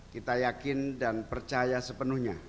kita yakin dan percaya sepenuhnya